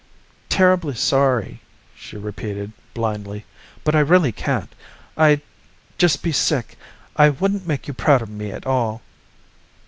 "Terribly sorry," she repeated blindly, "but I really can't. I'd just be sick. I wouldn't make you proud of me at all."